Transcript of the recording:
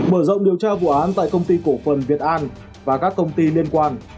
mở rộng điều tra vụ án tại công ty cổ phần việt an và các công ty liên quan